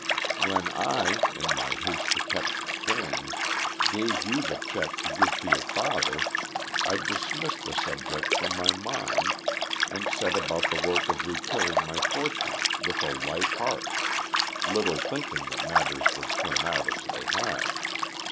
When I, in my haste to catch the train, gave you the check to give to your father, I dismissed the subject from my mind, and set about the work of repairing my fortunes with a light heart, little thinking that matters would turn out as they have.